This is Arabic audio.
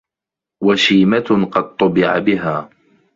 وَشِيمَةٌ قَدْ طُبِعَ بِهَا